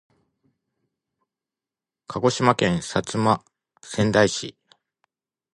鹿児島県薩摩川内市